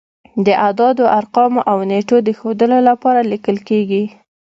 د اعدادو، ارقامو او نېټو د ښودلو لپاره لیکل کیږي.